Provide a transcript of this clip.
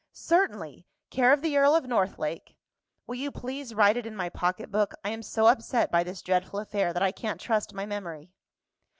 "Certainly! Care of the Earl of Northlake " "Will you please write it in my pocket book? I am so upset by this dreadful affair that I can't trust my memory."